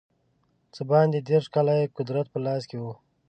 څه باندې دېرش کاله یې قدرت په لاس کې وو.